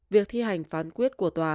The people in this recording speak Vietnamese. việc thi hành phán quyết của tòa